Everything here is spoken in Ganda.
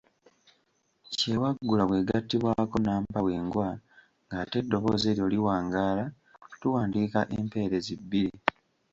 Kyewaggula bw’egattibwako nnampawengwa ng'ate eddoboozi eryo liwangaala, tuwandiika empeerezi bbiri.